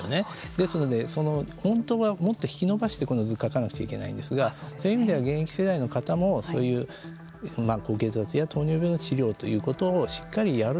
ですので、本当はもっと引き伸ばしてこの図を描かなければいけないんですがそういう意味では現役世代の方も高血圧や糖尿病の治療ということをしっかりやる。